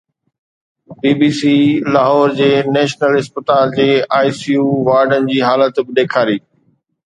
بي B C Lahore جي national اسپتال جي آءِ سي يو وارڊن جي حالت به ڏيکاري